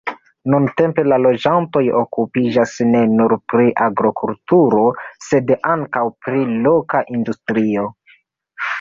Nuntempe la loĝantoj okupiĝas ne nur pri agrokulturo, sed ankaŭ pri loka industrio.